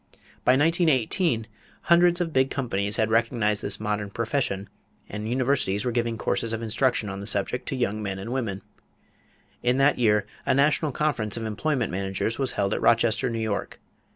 By 1918, hundreds of big companies had recognized this modern "profession" and universities were giving courses of instruction on the subject to young men and women. In that year a national conference of employment managers was held at Rochester, New York.